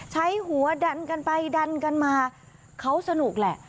ใช้หัวดันกันไปดันกันมาเขาสนุกแหละ